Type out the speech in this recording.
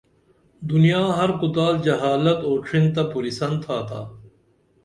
دنیا ہر کُتال جہالت او ڇِھن تہ پُرِسن تھا تا